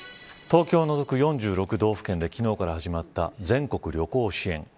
東京を除く４６道府県で昨日から始まった全国旅行支援。